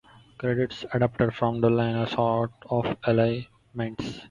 Credits adapted from the liner notes of "Elle'ments".